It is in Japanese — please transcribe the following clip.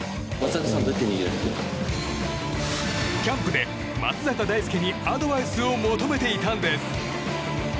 キャンプで松坂大輔にアドバイスを求めていたんです。